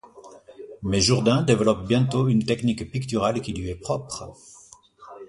Mais Jourdain développe bientôt une technique picturale qui lui est propre.